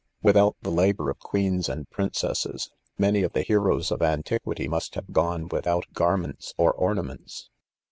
Without the labour of queens and princesses, many of the heroes of antiquity must have gone without gar ments or ornaments.